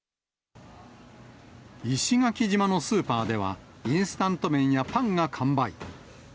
石垣島のスーパーでは、インスタント麺やパンが完売。